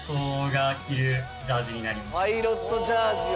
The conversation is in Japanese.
パイロットジャージを！